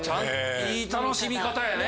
いい楽しみ方やね。